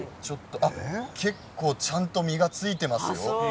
結構ちゃんと実がついていますよ。